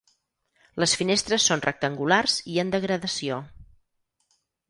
Les finestres són rectangulars i en degradació.